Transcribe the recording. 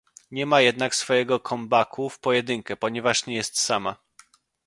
Nie ma jednak swojego comebacku w pojedynkę, ponieważ nie jest sama